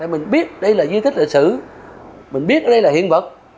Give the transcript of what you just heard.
mình biết đây là duy tích lịch sử mình biết đây là hiện vật